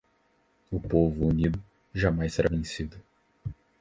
O povo unido, jamais será vencido.